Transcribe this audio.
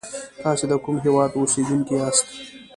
تاسی دکوم هیواد اوسیدونکی یاست